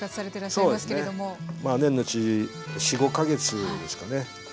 そうですね年のうち４５か月ですかね。